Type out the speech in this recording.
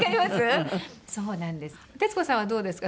そうなんです。